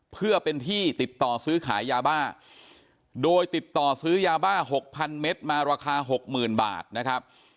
เพื่อเป็นที่ติดต่อซื้อขายยาบ้าโดยติดต่อซื้อยาบ้า๖๐๐เมตรมาราคา๖๐๐๐บาทนะครับ